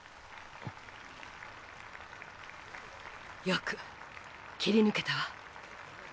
よく切り抜けたわ。